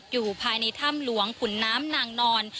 อยู่ภายในถ้ำหลวงขุนน้ำนางนอน